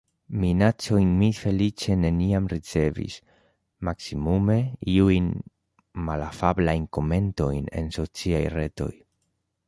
Minacojn mi feliĉe neniam ricevis, maksimume iujn malafablajn komentojn en sociaj retoj.